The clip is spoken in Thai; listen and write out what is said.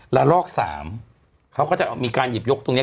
ละลอก๓เขาก็จะมีการหยิบยกตรงนี้